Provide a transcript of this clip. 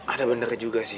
ada bener juga sih